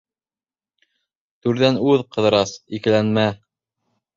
— Түрҙән уҙ, Ҡыҙырас, икеләнмә.